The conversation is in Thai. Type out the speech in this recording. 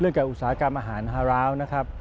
เรื่องการอุตสาหการอาหารฮาระวนะครับ